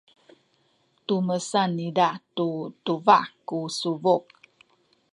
tumesan niza tu tubah ku subuk.